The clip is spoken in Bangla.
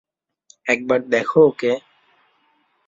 একবার দেখো ওকে!